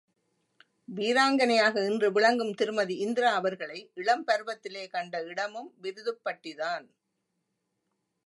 வீராங்கனையாக இன்று விளங்கும் திருமதி இந்திரா அவர்களை இளம்பருவத்திலே கண்ட இடமும் விருதுப் பட்டிதான்.